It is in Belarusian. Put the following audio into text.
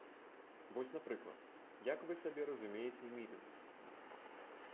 Вось, напрыклад, як вы сабе разумееце мітынг?